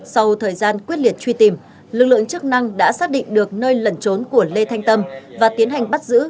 sau thời gian quyết liệt truy tìm lực lượng chức năng đã xác định được nơi lẩn trốn của lê thanh tâm và tiến hành bắt giữ